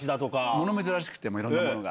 もの珍しくて、いろんなものが。